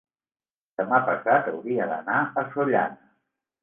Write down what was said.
Demà passat hauria d'anar a Sollana.